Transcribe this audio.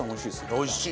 おいしい。